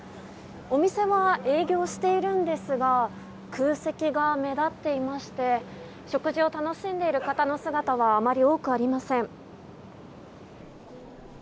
お店は営業しているんですが空席が目立っていまして食事を楽しんでいる方の姿はあまり多くありません。